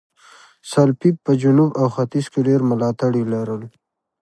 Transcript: سلپيپ په جنوب او ختیځ کې ډېر ملاتړي لرل.